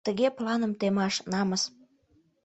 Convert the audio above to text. — Тыге планым темаш — намыс!